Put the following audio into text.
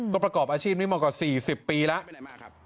ก็ประกอบอาชีพไม่มากกว่าสี่สิบปีแล้ว